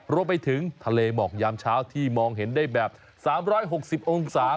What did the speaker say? รวมไปถึงทะเลหมอกยามเช้าที่มองเห็นได้แบบ๓๖๐องศา